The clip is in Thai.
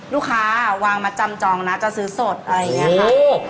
ลูกค้าวางมาจำจองนะจะซื้อสดอะไรอย่างนี้ค่ะ